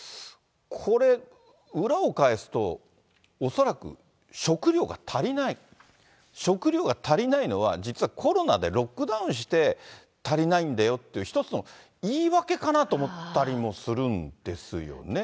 これ、裏を返すと、恐らく食料が足りない、食料が足りないのは、実はコロナでロックダウンして、足りないんだよっていう、一つの言い訳かなと思ったりもするんですよね。